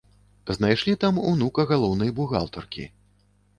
Знайшлі там унука галоўнай бухгалтаркі.